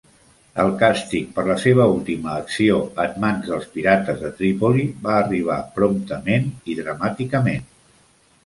El càstig per la seva última acció en mans dels pirates de Tripoli va arribar promptament i dramàticament.